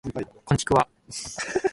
こんちくわ